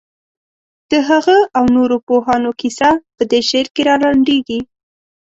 د هغه او نورو پوهانو کیسه په دې شعر کې رالنډېږي.